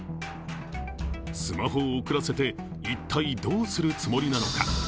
スマホを送らせて一体どうするつもりなのか。